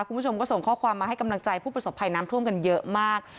คุณผู้ชมก็ส่งข้อความมาให้กำลังใจผู้ประสบภัยน้ำท่วมกันเยอะมาก